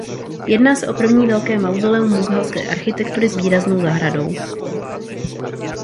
Jedná se o první velké mauzoleum mughalské architektury s výraznou zahradou.